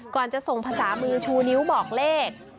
จะส่งภาษามือชูนิ้วบอกเลข